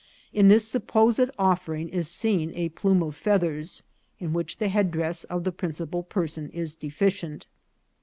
In this supposed offering is seen a plume of feathers, in which the headdress of the principal person is deficient.